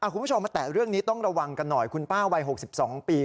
คุณผู้ชมแต่เรื่องนี้ต้องระวังกันหน่อยคุณป้าวัย๖๒ปี